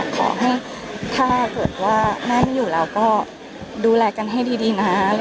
ขอให้ถ้าเกิดว่าแม่ไม่อยู่เราก็ดูแลกันให้ดีนะ